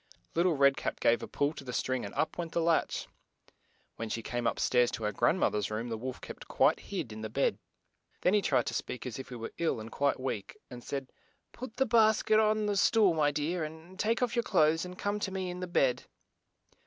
Lit tle Red Cap gave a pull to the string and up went the latch. When she came up stairs to her grand moth er's room the wolf kept LITTLE RED CAP 113 THE WOLF IN BED. quite hid in the bed. Then he tried to speak as if he were ill and quite weak; and said, "Put the bas ket on the stool my dear, and take off your clothes, and come to me in the bed."